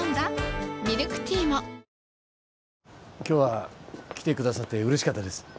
今日は来てくださって嬉しかったです